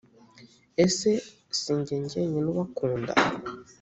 ese si jye jyenyine ubakunda?